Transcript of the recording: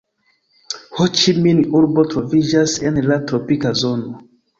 Ho-Ĉi-Min-urbo troviĝas en la tropika zono.